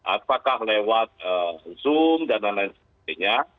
apakah lewat zoom dan lain lain sebagainya